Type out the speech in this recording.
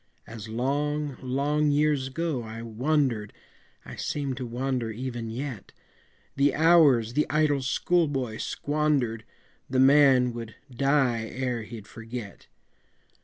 As long, long years ago I wandered, I seem to wander even yet, The hours the idle school boy squandered, The man would die ere he'd forget.